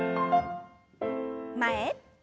前。